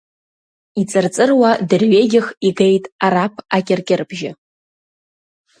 Иҵырҵыруа дырҩегьых игеит Араԥ акьыркьырбжьы.